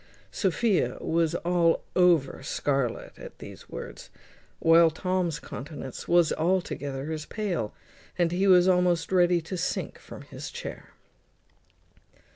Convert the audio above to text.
Sophia was all over scarlet at these words, while Tom's countenance was altogether as pale, and he was almost ready to sink from his chair.